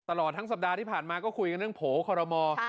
ตลอดทั้งสัปดาห์ที่ผ่านมาก็คุยกันเรื่องโผล่คอรมอล์